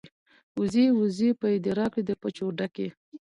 ـ وزې وزې پۍ دې راکړې د پچو ډکې.